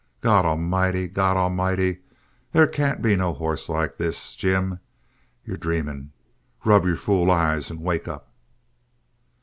"God A'mighty, God A'mighty! They can't be no hoss like this! Jim, you're dreaming. Rub your fool eyes and wake up!"